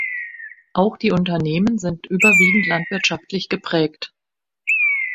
Auch die Unternehmen sind überwiegend landwirtschaftlich geprägt.